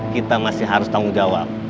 kita masih harus tanggung jawab